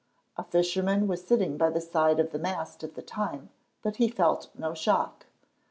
A fisherman was sitting by the side of the mast at the time, but he felt no shock.